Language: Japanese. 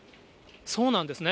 そうなんですね。